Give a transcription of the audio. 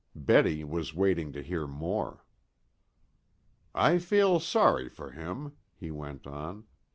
Betty was waiting to hear more. "I feel sorry for him," he went on.